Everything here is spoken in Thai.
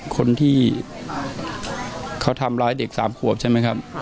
คนที่เขาทำร้ายเด็ก๓ขวบใช่ไหมครับ